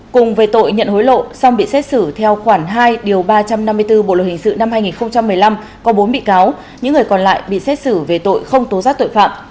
cùng về tội nhận hối lộ song bị xét xử theo khoản hai điều ba trăm năm mươi bốn bộ luật hình sự năm hai nghìn một mươi năm có bốn bị cáo những người còn lại bị xét xử về tội không tố giác tội phạm